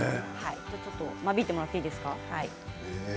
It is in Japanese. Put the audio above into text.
間引いてもらっていいですか？